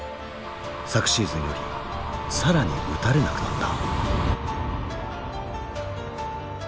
昨シーズンより更に打たれなくなった。